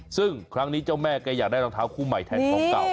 ซึ่งครั้งนี้เจ้าแม่ก็อยากได้รองเท้าคู่ใหม่แทนของเก่า